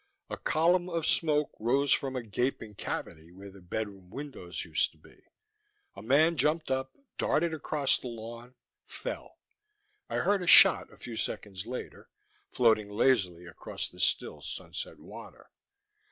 A column of smoke rose from a gaping cavity where the bedroom windows used to be. A man jumped up, darted across the lawn, fell. I heard a shot a few seconds later, floating lazily across the still sunset water.